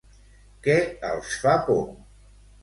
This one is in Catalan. Què els fa por?